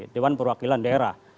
dewan perwakilan daerah